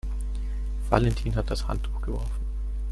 Valentin hat das Handtuch geworfen.